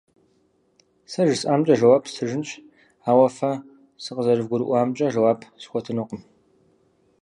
Сэ жысӏамкӏэ жэуап стыжынщ, ауэ фэ сыкъызэрывгурыӏуамкӏэ жэуап схуэтынукъым.